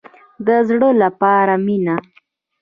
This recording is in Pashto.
د زړه لپاره مینه.